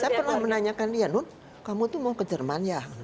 saya pernah menanyakan dia nun kamu tuh mau ke jerman ya